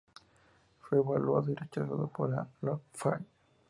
Fue evaluado y rechazado por la Luftwaffe.